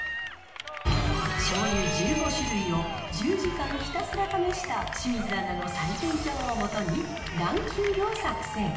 醤油１５種類を１０時間ひたすら試した清水アナの採点表をもとに、ランキングを作成。